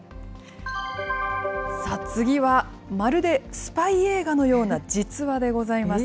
次は、まるでスパイ映画のような実話でございます。